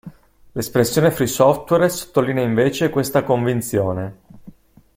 L'espressione "Free Software" sottolinea invece questa convinzione.